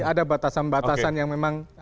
ada batasan batasan yang memang